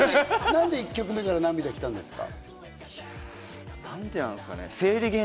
何で１曲目から涙が来たんですか？